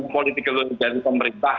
politika will dari pemerintah